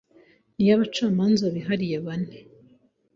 n’iy’abacamanza bihariye bane